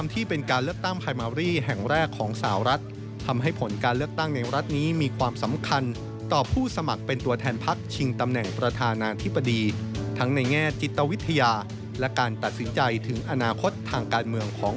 ที่จะทำความสำคัญของผู้มีสิทธิ์เลือก